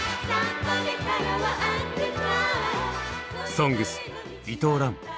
「ＳＯＮＧＳ」伊藤蘭。